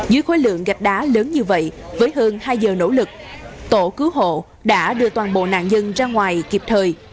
dưới khối lượng gạch đá lớn như vậy với hơn hai giờ nỗ lực tổ cứu hộ đã đưa toàn bộ nạn nhân ra ngoài kịp thời